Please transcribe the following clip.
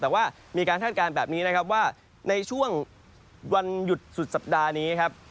แต่ว่ามีการคาดการณ์แบบนี้นะครับว่าในช่วงวันหยุดสุดสัปดาห์นี้ครับ